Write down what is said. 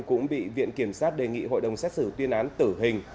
cũng bị viện kiểm sát đề nghị hội đồng xét xử tuyên án tử hình